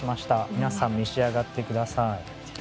皆さん、召し上がってください。